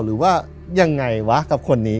หรือว่ายังไงวะกับคนนี้